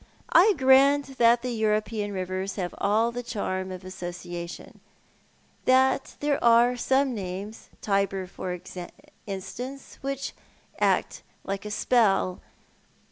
I grant that the European rivers have all the charm of association ; that there are some names — Tiber, for instance — which act like a spell.